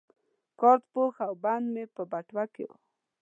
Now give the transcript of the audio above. کارت پوښ او بند مې په بټوه کې وو.